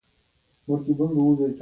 د پېښور د مذاکراتو د پر مخ بېولو لپاره.